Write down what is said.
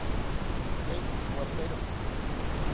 Tee ikowaperotzi